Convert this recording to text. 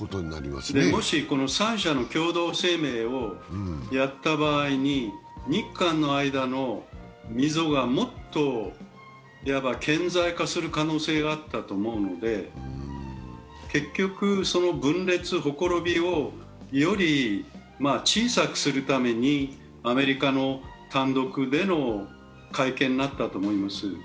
もし３者の共同声明をやった場合に日韓の間の溝がもっと顕在化する可能性があったと思うので結局その分裂、ほころびをより小さくするためにアメリカの単独での会見になったと思います。